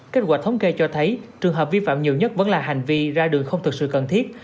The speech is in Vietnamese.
kết quả thống kê cho thấy trường hợp vi phạm nhiều nhất vẫn là hành vi ra đường không thực sự cần thiết